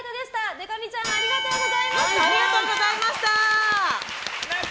でか美ちゃんありがとうございました。